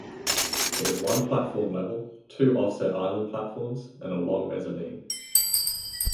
It has one platform level, two offset island platforms, and a long mezzanine.